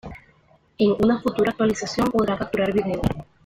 En una futura actualización, podrá capturar vídeo.